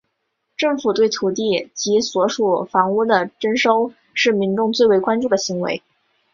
政府对土地及所属房屋的征收是民众最为关注的行为。